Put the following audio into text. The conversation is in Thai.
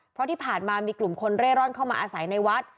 เพราะที่ผ่านมามีกลุ่มคนเร่ร่อนเข้ามาอาศัยในวัด